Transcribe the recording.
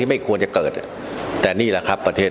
ที่ไม่ควรจะเกิดแต่นี่นะครับประ